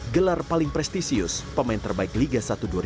gelar paling prestisius pemain terbaik liga satu dua ribu dua puluh